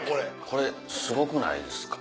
これすごくないですか？